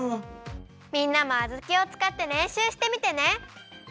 みんなもあずきをつかってれんしゅうしてみてね！